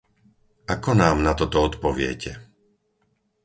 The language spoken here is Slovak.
Ako nám na toto odpoviete?